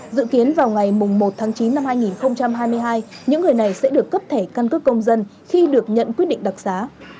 dự kiến vào ngày một tháng chín năm hai nghìn hai mươi hai những người này sẽ được cấp thẻ căn cước công dân khi được nhận quyết định đặc xá